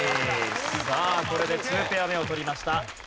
さあこれでツーペア目を取りました。